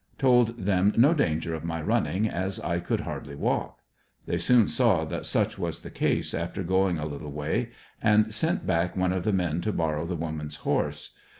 Told them no danger of my running, as I coull hardly walk. They soon saw that such was the case after going a little way, and sent back one of the men to borrow the woman's horse.